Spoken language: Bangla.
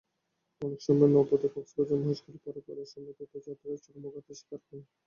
অনেক সময় নৌপথে কক্সবাজার-মহেশখালী পারাপারের সময় তীর্থযাত্রীরা চরম ভোগান্তির শিকার হন।